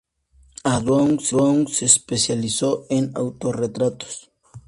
Anh Duong se especializó en autorretratos.